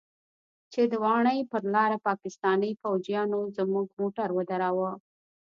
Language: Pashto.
چې د واڼې پر لاره پاکستاني فوجيانو زموږ موټر ودراوه.